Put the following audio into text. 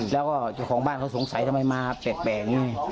แล้วก็ของบ้านเค้าสงสัยทำไมมาเป็ดแบบนี้